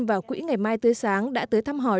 vào quỹ ngày mai tươi sáng đã tới thăm hỏi